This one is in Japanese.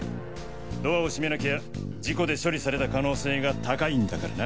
ドアを閉めなきゃ事故で処理された可能性が高いんだからな。